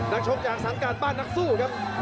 นักชมอยากสังการบ้านนักสู้ครับ